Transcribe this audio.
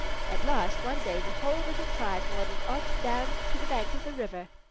At last one day the whole little tribe waddled off down to the bank of the river.